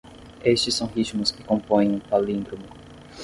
Estes são ritmos que compõem um palíndromo.